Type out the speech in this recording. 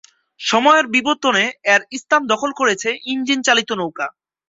সময়ের বিবর্তনে এর স্থান দখল করেছে ইঞ্জিন চালিত নৌকা।